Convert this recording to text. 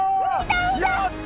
やった！